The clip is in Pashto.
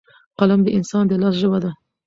قلم د انسان د لاس ژبه ده.